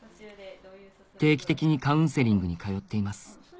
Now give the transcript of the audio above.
定期的にカウンセリングに通っています